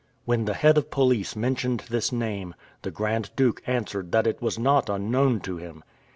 When the head of police mentioned this name, the Grand Duke answered that it was not unknown to him.